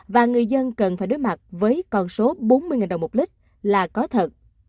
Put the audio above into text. và người dân cần phải đối mặt với con số bốn mươi đồng một lít là có thật